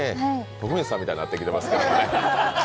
徳光さんみたいになってきてますね。